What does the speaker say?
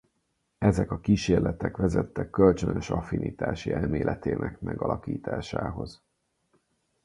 Ezek a kísérletek vezettek kölcsönös affinitási elméletének megalakításához.